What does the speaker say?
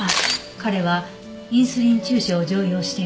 彼はインスリン注射を常用していたので。